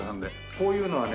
こういうのはね